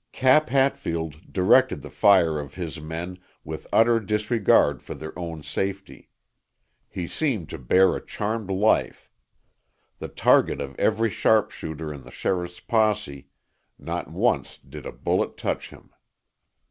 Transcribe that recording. Cap Hatfield directed the fire of his men with utter disregard for their own safety. He seemed to bear a charmed life. The target of every sharpshooter in the sheriff's posse, not once did a bullet touch him.